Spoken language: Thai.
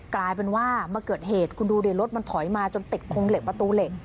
กลายเป็นว่ามาเกิดเหตุคุณดูดิรถมันถอยมาจนติดโครงเหล็กประตูเหล็ก